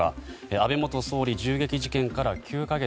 安倍元総理銃撃事件から９か月。